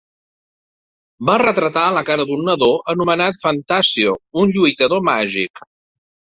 Va retratar la cara d'un nadó anomenat "Phantasio", un lluitador màgic.